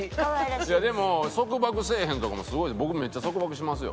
いやでも束縛せえへんとかもすごい僕めっちゃ束縛しますよ。